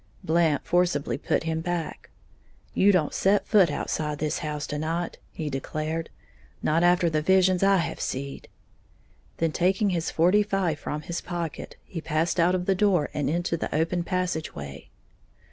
Blant forcibly put him back. "You don't set foot outside this house to night," he declared, "not after the visions I have seed." Then, taking his forty five from his pocket, he passed out of the door and into the open passageway.